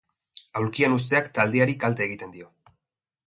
Aulkian uzteak taldeari kalte egiten dio.